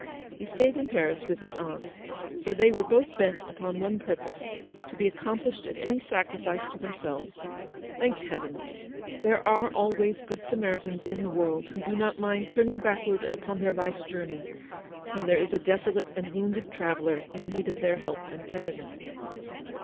He stayed in Paris with his aunt, for they were both bent upon one purpose, to be accomplished at any sacrifice to themselves. Thank Heaven ! there are always good Samaritans in the world, who do not mind turning backward upon their life's journey when there is a desolate and wounded traveller in need of their help and tenderness. GOOD SAMARITANS.